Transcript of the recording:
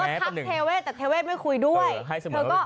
เออก็ทักเทเวศแต่เทเวศไม่คุยด้วย